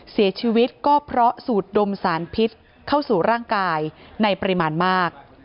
เสียชีวิตก็เพราะสูดดมสารพิษเข้าสู่ร่างกายในปริมาณมาก